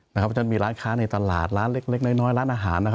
เพราะฉะนั้นมีร้านค้าในตลาดร้านเล็กน้อยร้านอาหารนะครับ